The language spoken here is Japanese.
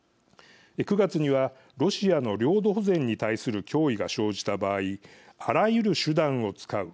９月には「ロシアの領土保全に対する脅威が生じた場合あらゆる手段を使う。